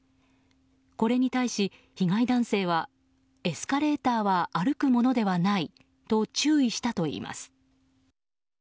これに対し、被害男性はエスカレーターは歩くものではないと注意したといいます。